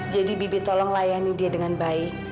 jadi bibi tolong layani dia dengan baik